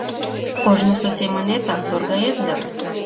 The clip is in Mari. — Ожнысо семынетак торгает дыр?..